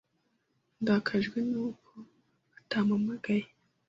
Ndakajwe nuko atampamagaye.